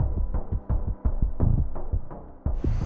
maaf pak bu